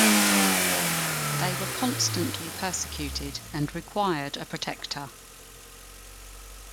They were constantly persecuted and required a protector.